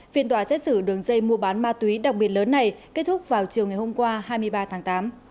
phiên tòa xét xử đường dây mua bán ma túy đặc biệt lớn này kết thúc vào chiều ngày hôm qua hai mươi ba tháng tám